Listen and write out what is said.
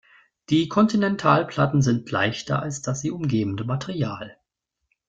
Die Kontinentalplatten sind leichter als das sie umgebende Material.